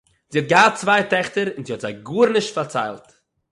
זי האָט געהאַט צוויי טעכטער און זי האָט זיי גאָרנישט פאַרציילט